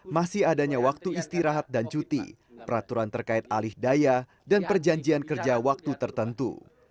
masih adanya waktu istirahat dan cuti peraturan terkait alih daya dan perjanjian kerja waktu tertentu